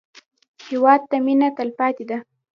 هېواد ته مېنه تلپاتې ده